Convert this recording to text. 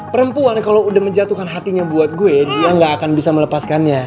perempuan kalau udah menjatuhkan hatinya buat gue dia gak akan bisa melepaskannya